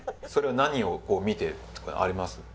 それは何を見てとかあります？